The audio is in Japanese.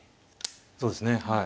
そうですねはい。